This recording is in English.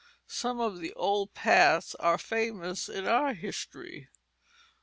Some of the old paths are famous in our history.